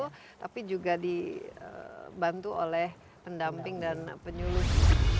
jadi itu di bantu oleh pendamping dan penyuluh